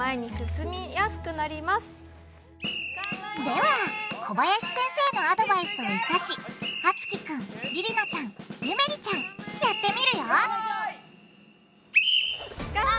では小林先生のアドバイスを生かしあつきくんりりなちゃんゆめりちゃんやってみるよよい！